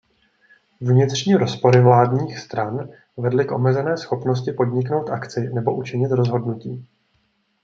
Vnitřní rozpory vládních stran vedly k omezené schopnosti podniknout akci nebo učinit rozhodnutí.